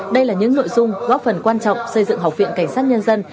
đây là những nội dung góp phần quan trọng xây dựng học viện cảnh sát nhân dân